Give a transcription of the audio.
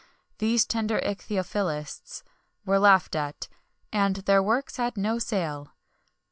These tender ichthyophilists were laughed at, and their works had no sale.